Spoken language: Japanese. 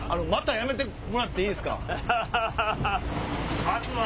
やめてもらっていいですか？